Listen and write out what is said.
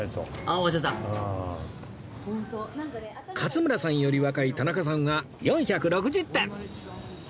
勝村さんより若い田中さんは４６０点